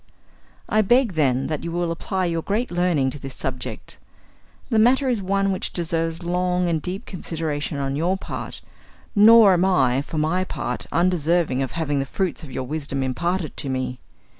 I beg, then, that you will apply your great learning to this subject. The matter is one which deserves long and deep consideration on your part; nor am I, for my part, undeserving of having the fruits of your wisdom imparted to me.